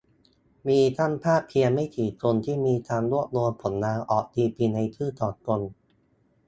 มีช่างภาพเพียงไม่กี่คนที่มีการรวบรวมผลงานออกตีพิมพ์ในชื่อของตน